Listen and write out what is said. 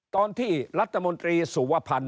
ตอนที่รัฐมนตรีสุวพันธ์